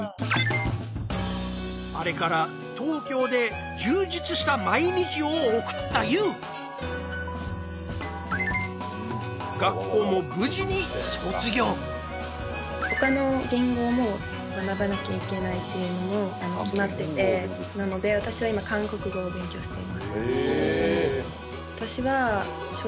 あれから東京で充実した毎日を送ったＹＯＵ他の言語も学ばなきゃいけないというのも決まっててなので私は今韓国語を勉強しています。